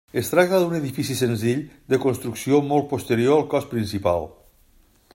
Es tracta d'un edifici senzill de construcció molt posterior al cos principal.